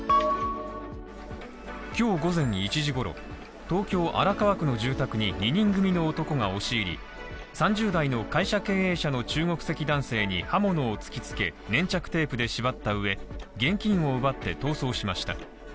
今日午前に一時ごろ、東京荒川区の住宅に２人組の男が押し入り３０代の会社経営者の中国籍男性に刃物を突きつけ、粘着テープで縛ったうえ、現金を奪って逃走しました。